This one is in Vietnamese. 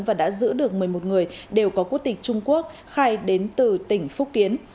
và đã giữ được một mươi một người đều có quốc tịch trung quốc khai đến từ tỉnh phúc kiến